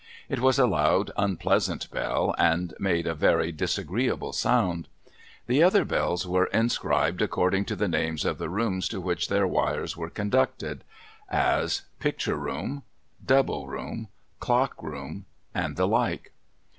It was a loud, unpleasant bell, and made a very disagreeable sound. The other bells were inscribed according to the names of the rooms to which their wires were conducted : as ' Picture Room,' ' Double Room,' ' Clock Room,' and the like.